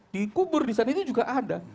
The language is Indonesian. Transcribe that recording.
dikubur disana itu juga ada